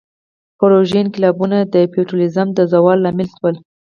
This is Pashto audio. بورژوازي انقلابونه د فیوډالیزم د زوال لامل شول.